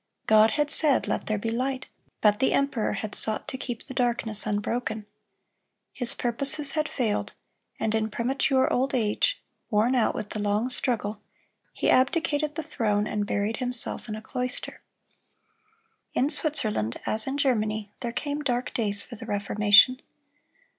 God had said, "Let there be light," but the emperor had sought to keep the darkness unbroken. His purposes had failed; and in premature old age, worn out with the long struggle, he abdicated the throne, and buried himself in a cloister. In Switzerland, as in Germany, there came dark days for the Reformation.